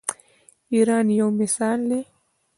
ایران یو مثال دی.